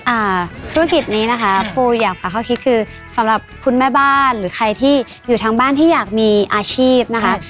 อ่าธุรกิจนี้นะคะปูอยากฝากข้อคิดคือสำหรับคุณแม่บ้านหรือใครที่อยู่ทางบ้านที่อยากมีอาชีพนะคะ